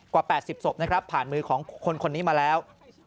กว่า๘๐ศพนะครับผ่านมือของคนนี้มาแล้ว